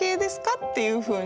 っていうふうに。